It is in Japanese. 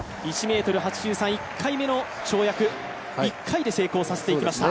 １ｍ８２、１回目の跳躍、１回で成功させていきました。